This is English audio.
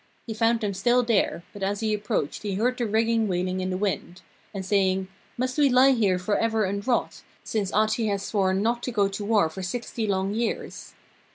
He found them still there, but as he approached he heard the rigging wailing in the wind, and saying: 'Must we lie here for ever and rot, since Ahti has sworn not to go to war for sixty long years?'